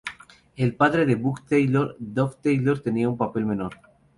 El padre de Buck Taylor, Dub Taylor, tenía un papel menor.